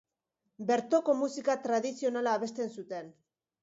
Bertoko musika tradizionala abesten zuten.